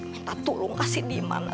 kita tolong kasih di mana